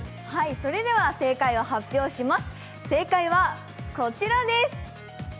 それでは正解を発表します。